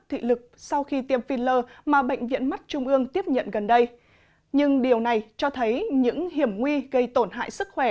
thị lực sau khi tiêm filler mà bệnh viện mắt trung ương tiếp nhận gần đây nhưng điều này cho thấy những hiểm nguy gây tổn hại sức khỏe